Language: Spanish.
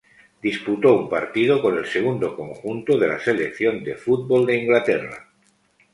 Disputó un partido con el segundo conjunto de la selección de fútbol de Inglaterra.